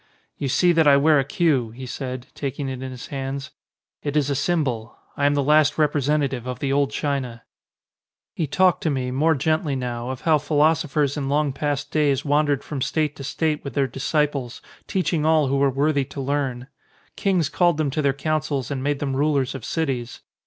"You see that I wear a queue," he said, taking it in his hands. "It is a symbol. I am the last representative of the old China." He talked to me, more gently now, of how phi losophers in long past days wandered from state to state with their disciples, teaching all who were worthy to learn. Kings called them to their coun cils and made them rulers of cities.